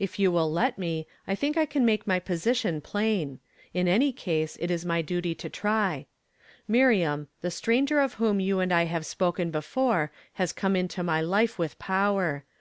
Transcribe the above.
If you will let me, I think I can make my position plain; in any case, it is my duty to try. Miriam, the stranger of whom you and I have spoken before has come into my life with power.